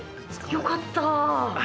よかった！